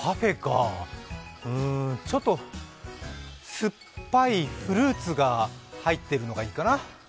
ちょっと酸っぱいフルーツが入ってるのがいいかな。